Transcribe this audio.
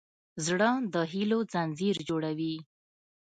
زړه د هيلو ځنځیر جوړوي.